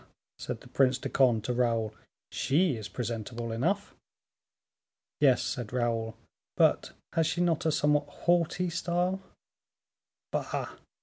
said the Prince de Conde to Raoul, "she is presentable enough." "Yes," said Raoul, "but has she not a somewhat haughty style?" "Bah!